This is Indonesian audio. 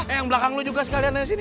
eh yang belakang lo juga sekalian ayo sini